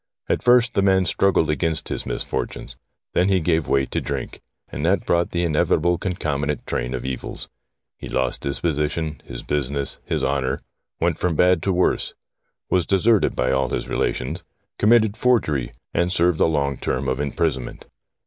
At first the man struggled against his misfortunes ; then he gave way to drink, and that brought the inevitable concomitant train of evils. He lost his position, his business, his honour ; went from bad to worse ; was deserted by all his relations ; com mitted forgery, and served a long term of imprisonment.